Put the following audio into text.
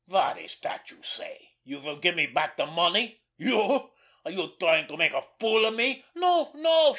"What is that you say? You will give me back the money? You! Are you trying to make a fool of me?" "No, no!"